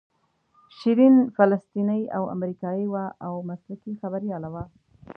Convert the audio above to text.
شیرین فلسطینۍ او امریکایۍ وه او مسلکي خبریاله وه.